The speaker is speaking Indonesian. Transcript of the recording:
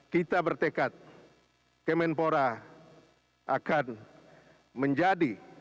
kita bertekad kemenpora akan menjadi